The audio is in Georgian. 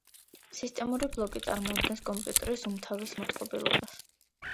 სისტემური ბლოკი წარმოადგენს კომპიუტერის უმთავრეს მოწყობილობას.